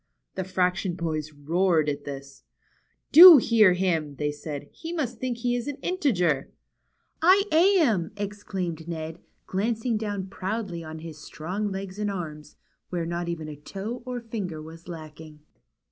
The fraction boys roared at this. Do hear him," they said. He must think he is an integer !" I am !" exclaimed Ned, glancing down proudly on his strong legs and arms, where not even a toe or finger was lacking.